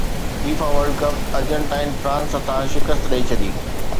FIFA World Cup Argentina France هٿان شڪست ڏئي ڇڏي